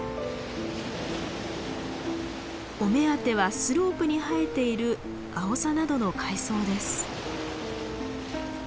お目当てはスロープに生えているアオサなどの海藻です。